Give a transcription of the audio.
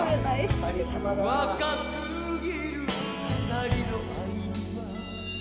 「若すぎる二人の愛には」